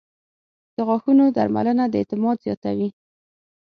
• د غاښونو درملنه د اعتماد زیاتوي.